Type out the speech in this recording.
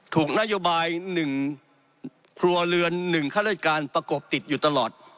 ถูกนโยบาย๑ครัวเรือน๑ข้าราชการประกบติดอยู่ตลอด